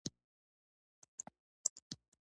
کتابچه کې پاک کاغذونه وي